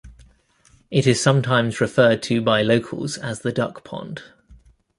It is sometimes referred to by locals as The Duck Pond.